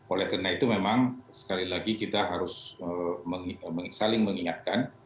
oleh karena itu memang sekali lagi kita harus saling mengingatkan